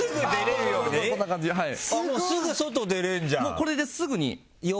すぐ外出れんじゃん！